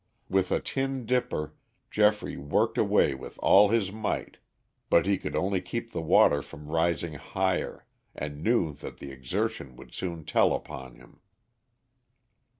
With a tin dipper Geoffrey worked away with all his might, but he could only keep the water from rising higher, and knew that the exertion would soon tell upon him.